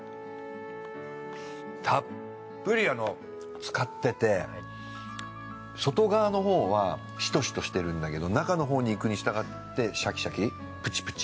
たっぷり漬かってて外側のほうはシトシトしてるんだけど中のほうにいくにしたがってシャキシャキプチプチ。